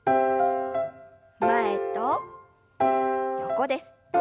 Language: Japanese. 前と横です。